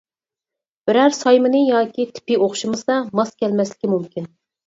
بىرەر سايمىنى ياكى تىپى ئوخشىمىسا ماس كەلمەسلىكى مۇمكىن.